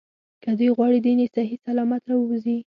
که دوی غواړي دین یې صحیح سلامت راووځي.